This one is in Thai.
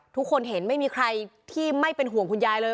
ทุกคนเห็นไม่มีใครที่ไม่เป็นห่วงคุณยายเลย